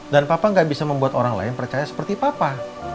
dan papa gak bisa membuat orang lain percaya seperti papa